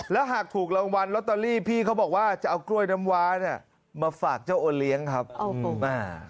แล้วหากถูกรางวัลจรอตอลี่พี่เขาบอกว่าจะเอากล้วยน้ำว้ามาฝากเจ้าโอเลี้ยงนะครับ